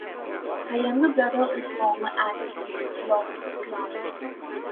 Her younger brother is former athlete Lawrence Clarke.